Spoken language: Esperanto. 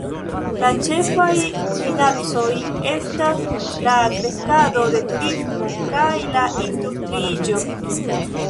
La ĉefaj minacoj estas la kreskado de turismo kaj la industriiĝo.